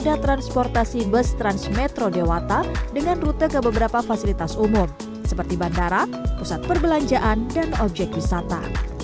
moda transportasi bus transmetro dewata dengan rute ke beberapa fasilitas umum seperti bandara pusat perbelanjaan dan objek wisata